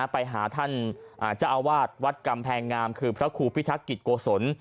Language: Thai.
ไปหาท่านเจ้าอาวาสวัดกำแพงงามคือพระครูพิทักษิตโกศล